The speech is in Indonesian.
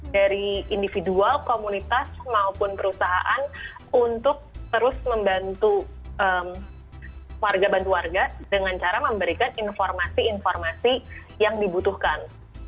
dari individual komunitas maupun perusahaan untuk terus membantu warga bantu warga dengan cara memberikan informasi informasi yang dibutuhkan